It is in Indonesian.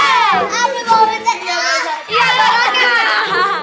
iya bau becek